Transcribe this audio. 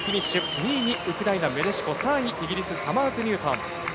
２位にウクライナ、メレシコ３位、イギリスサマーズニュートン。